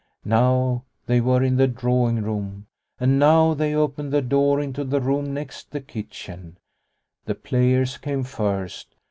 Now they were in the drawing room, and now they opened the door into the room next the kitchen. The players came first.